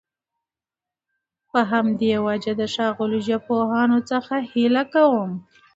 په همدي وجه د ښاغلو ژبپوهانو څخه هيله کوم